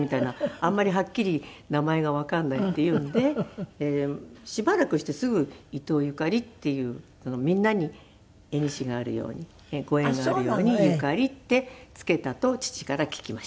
あんまりはっきり名前がわかんないっていうんでしばらくしてすぐ「伊東ゆかり」っていうみんなに縁があるようにご縁があるように「ゆかり」って付けたと父から聞きました。